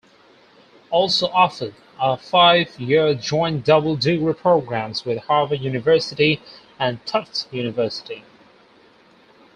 Also offered are five-year joint double-degree programs with Harvard University and Tufts University.